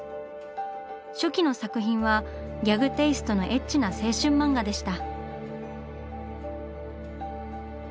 初期の作品はギャグテイストのエッチな青春漫画でした。